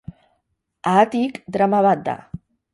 Haatik, drama bat da.